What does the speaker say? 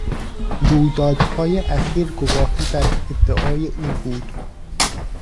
رویدادهای اخیر گواهی بر ادعای او بود.